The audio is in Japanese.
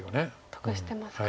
得してますか。